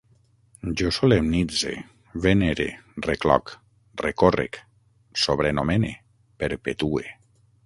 Jo solemnitze, venere, recloc, recórrec, sobrenomene, perpetue